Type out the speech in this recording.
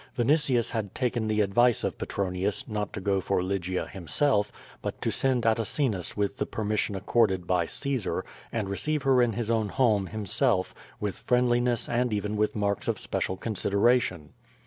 Vinitius lia<l taken the advice of Petronius, not to go for Lygia himself, but to send Atacinus with the permission accorded by Caesar, and receive her in his own home, himself, with friendliness and even with marks of special consideration.